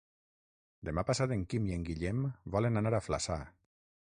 Demà passat en Quim i en Guillem volen anar a Flaçà.